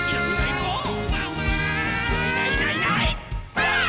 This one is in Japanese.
ばあっ！